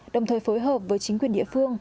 đồng thời phối hợp với chính quyền địa phương